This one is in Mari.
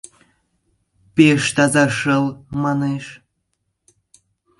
Пеш таза шыл, манеш.